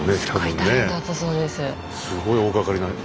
すごい大がかりな。